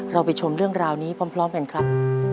เราไปชมเรื่องราวนี้พร้อมกันครับ